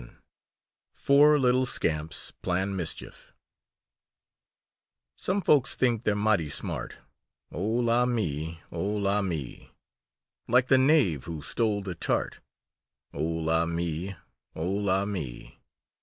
VII FOUR LITTLE SCAMPS PLAN MISCHIEF "Some folks think they're mighty smart Oh, la me! Oh, la me! Like the knave who stole the tart Oh, la me! Oh, la me!